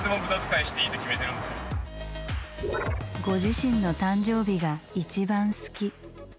ご自身の誕生日が一番好き。